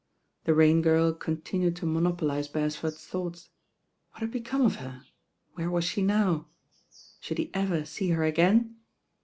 The Rain Girl continued to monopolise Beres ford's thoughts. What had become of her? Where was she now? Should he ever see her again?